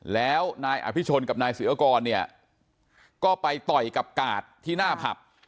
แล้วนายอภิชนกับนายศิวกรเนี่ยก็ไปต่อยกับกาดที่หน้าผับ